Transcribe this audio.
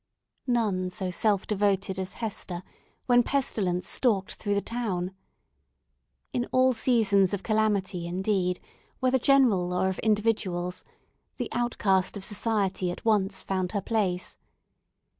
None so self devoted as Hester when pestilence stalked through the town. In all seasons of calamity, indeed, whether general or of individuals, the outcast of society at once found her place.